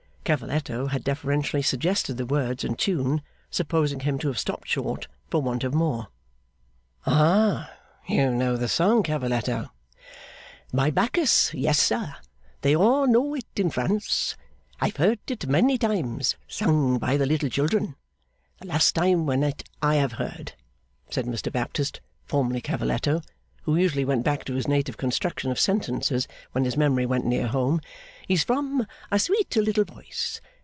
Cavalletto had deferentially suggested the words and tune, supposing him to have stopped short for want of more. 'Ah! You know the song, Cavalletto?' 'By Bacchus, yes, sir! They all know it in France. I have heard it many times, sung by the little children. The last time when it I have heard,' said Mr Baptist, formerly Cavalletto, who usually went back to his native construction of sentences when his memory went near home, 'is from a sweet little voice.